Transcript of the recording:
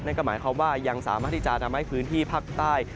ก็หมายความว่ายังสามารถที่จะทำให้พื้นที่ภาคใต้